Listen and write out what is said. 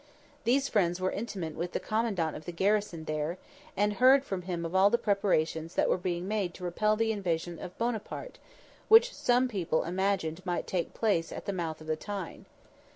These friends were intimate with the commandant of the garrison there, and heard from him of all the preparations that were being made to repel the invasion of Buonaparte, which some people imagined might take place at the mouth of the Tyne.